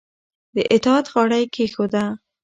د اطاعت غاړه یې کېښوده